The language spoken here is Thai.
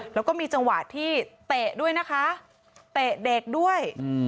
แล้วก็มีจังหวะที่เตะด้วยนะคะเตะเด็กด้วย